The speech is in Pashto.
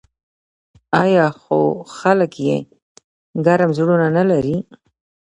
آیا خو خلک یې ګرم زړونه نلري؟